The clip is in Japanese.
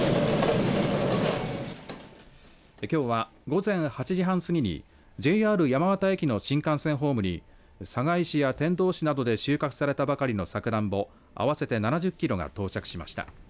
きょうは午前８時半過ぎにＪＲ山形駅の新幹線ホームに寒河江市や天童市などで収穫されたばかりのさくらんぼ、合わせて７０キロが到着しました。